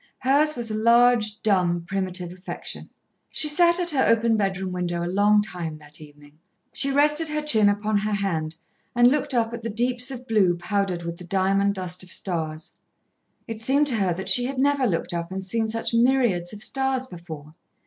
Hers was a large, dumb, primitive affection. She sat at her open bedroom window a long time that evening. She rested her chin upon her hand and looked up at the deeps of blue powdered with the diamond dust of stars. It seemed to her that she had never looked up and seen such myriads of stars before.